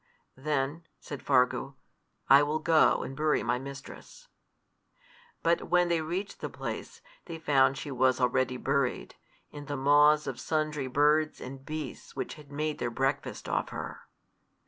"Then," said Fargu, "I will go and bury my mistress." But when they reached the place, they found she was already buried in the maws of sundry birds and beasts which had made their breakfast off her.